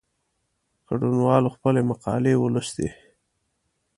ګډونوالو خپلي مقالې ولوستې.